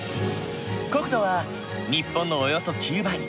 国土は日本のおよそ９倍。